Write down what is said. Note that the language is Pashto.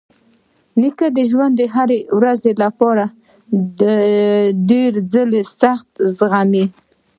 نیکه د ژوند د هرې ورځې لپاره ډېر ځله سختۍ زغمي.